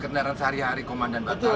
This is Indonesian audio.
kendaraan sehari hari komandan batu